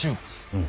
うん。